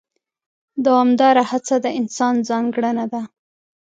دوامداره هڅه د انسان ځانګړنه ده.